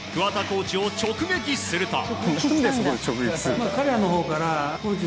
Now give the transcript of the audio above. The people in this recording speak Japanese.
コーチを直撃すると。